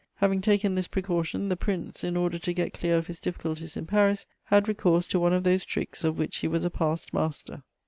Having taken this precaution, the prince, in order to get clear of his difficulties in Paris, had recourse to one of those tricks of which he was a past master.